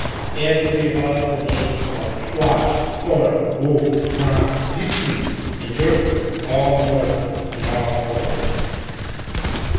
Add to the above the names of Schwach, Storm, Wolff, Pram, Zetlitz, and Bjerregaard, all North men and all poets.